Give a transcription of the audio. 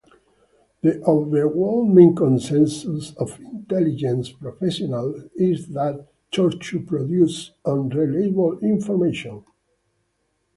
The overwhelming consensus of intelligence professionals is that torture produces unreliable information.